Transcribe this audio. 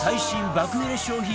爆売れ商品